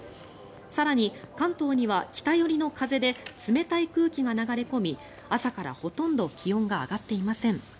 更に、関東には北寄りの風で冷たい空気が流れ込み朝からほとんど気温が上がっていません。